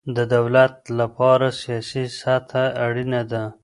د دولت له پاره سیاسي سطحه اړینه ده.